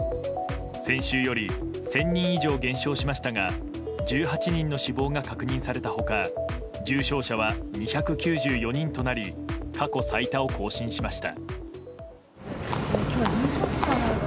先週より１０００人以上減少しましたが１８人の死亡が確認されたほか重症者は２９４人となり過去最多を更新しました。